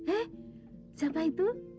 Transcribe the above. eh siapa itu